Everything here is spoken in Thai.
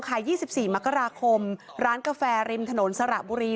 ขายยี่สิบสี่มกราคมร้านกาแฟริมถนนสระบุรี